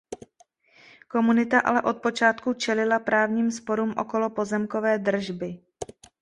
Komunita ale od počátku čelila právním sporům okolo pozemkové držby.